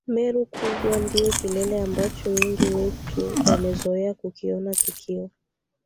Meru kubwa ndio kilele ambacho wengi wetu tumezoea kukiona tukiwa